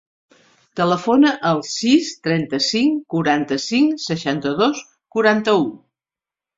Telefona al sis, trenta-cinc, quaranta-cinc, seixanta-dos, quaranta-u.